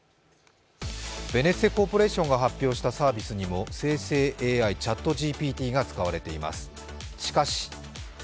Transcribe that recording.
ベネッセコーポレーションが発表したサービスにも生成ＡＩ、ＣｈａｔＧＰＴが使われています。